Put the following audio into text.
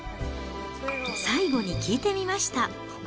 最後に聞いてみました。